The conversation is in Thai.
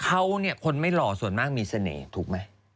เขาเนี่ยคนไม่หล่อส่วนมากมีเสน่ห์ถูกไหม